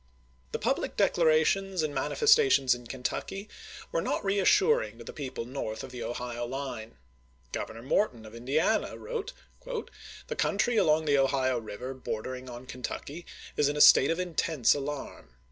The public declarations and manifestations in Kentucky were not reassuring to the people north KENTUCKY 231 Vol. I., p. 152. of the Ohio line. Governor Morton of Indiana chap. xii. wrote: "The country along the Ohio River bor dering on Kentucky is in a state of intense alarm.